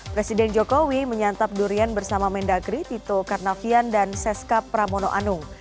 presiden jokowi menyantap durian bersama mendagri tito karnavian dan seskap pramono anung